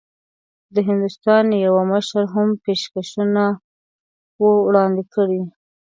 د هندوستان یوه مشر هم پېشکشونه نه وو وړاندي کړي.